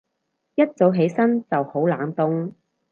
一早起身就好冷凍